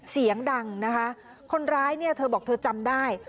เสียงดังนะคะคนร้ายเนี่ยเธอบอกเธอจำได้